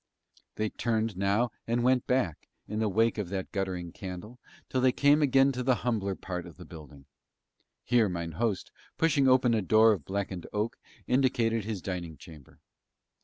They turned now and went back, in the wake of that guttering candle, till they came again to the humbler part of the building. Here mine host, pushing open a door of blackened oak, indicated his dining chamber.